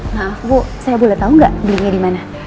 maaf bu saya boleh tau gak belinya dimana